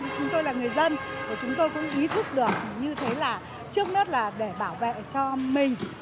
chúng tôi là người dân chúng tôi cũng ý thức được như thế là trước mắt là để bảo vệ cho mình